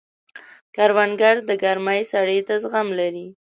کروندګر د ګرمۍ سړې ته زغم لري